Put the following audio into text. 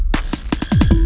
gak ada yang nungguin